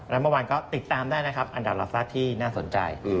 แล้วเมื่อวานก็ติดตามได้นะครับอันดับฟาดที่น่าสนใจ